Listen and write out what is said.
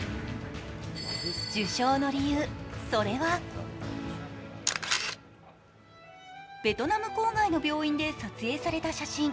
受賞の理由、それはベトナム郊外の病院で撮影された写真。